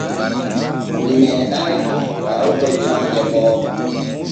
Mi meeɗayno yahugo jande booko.